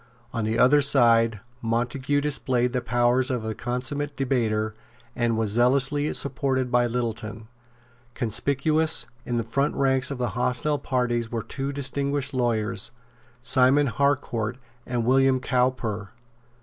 On the other side Montague displayed the powers of a consummate debater, and was zealously supported by Littleton. Conspicuous in the front ranks of the hostile parties were two distinguished lawyers, Simon Harcourt and William Cowper.